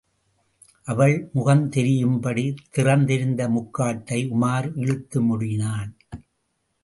அவள் முகந்தெரியும்படி திறந்திருந்த முக்காட்டை உமார் இழுத்து முடினான்.